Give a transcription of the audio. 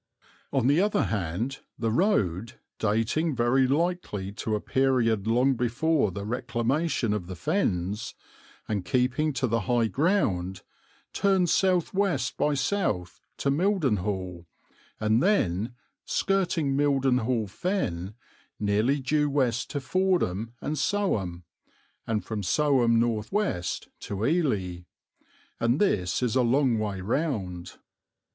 On the other hand the road, dating very likely to a period long before the reclamation of the fens, and keeping to the high ground, turns south west by south to Mildenhall and then, skirting Mildenhall Fen, nearly due west to Fordham and Soham, and from Soham north west to Ely: and this is a long way round.